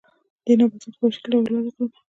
دې نباتاتو په وحشي ډول وده کوله.